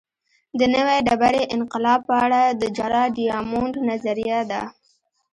د نوې ډبرې انقلاب په اړه د جراډ ډیامونډ نظریه ده